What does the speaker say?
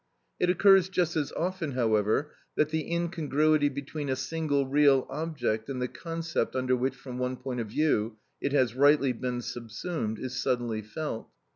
It occurs just as often, however, that the incongruity between a single real object and the concept under which, from one point of view, it has rightly been subsumed, is suddenly felt.